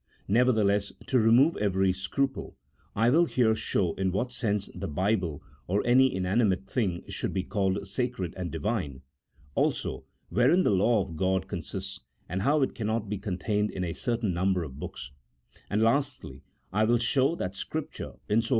Nevertheless, to remove every scruple, I will here show in what sense the Bible or any inanimate thing should be called sacred and Divine ; also wherein the law of God con sists, and how it cannot be contained in a certain number of books ; and, lastly, I will show that Scripture, in so far CHAP.